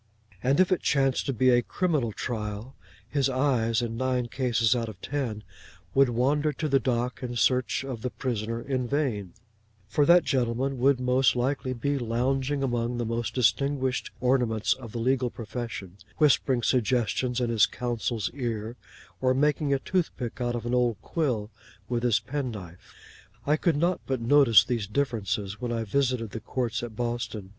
And if it chanced to be a criminal trial, his eyes, in nine cases out of ten, would wander to the dock in search of the prisoner, in vain; for that gentleman would most likely be lounging among the most distinguished ornaments of the legal profession, whispering suggestions in his counsel's ear, or making a toothpick out of an old quill with his penknife. I could not but notice these differences, when I visited the courts at Boston.